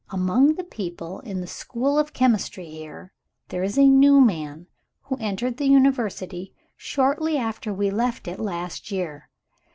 Among the people in the School of Chemistry here, there is a new man, who entered the University shortly after we left it last year.